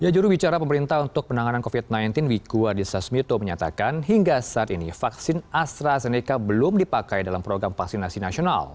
juru bicara pemerintah untuk penanganan covid sembilan belas wikua diasasmito menyatakan hingga saat ini vaksin astrazeneca belum dipakai dalam program vaksinasi nasional